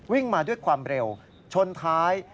วิ่งมาด้วยความเร็วชนท้าย